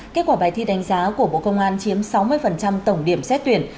kết quả bài thi đánh giá của bộ công an chiếm sáu mươi tổng điểm xét tuyển